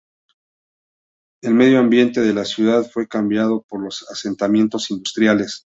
El medio ambiente de la ciudad fue cambiando por los asentamientos industriales.